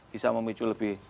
bisa memicu lebih